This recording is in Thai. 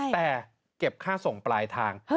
แต่เก็บค่าส่งปลายทาง